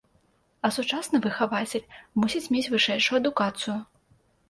А сучасны выхавацель мусіць мець вышэйшую адукацыю.